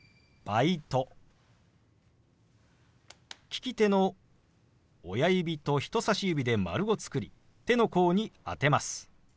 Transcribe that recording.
利き手の親指と人さし指で丸を作り手の甲に当てます。